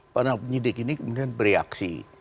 para penyidik ini kemudian bereaksi